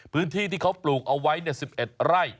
พื้นที่ที่เขาปลูกเอาไว้๑๑ไร่